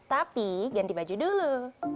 tapi ganti baju dulu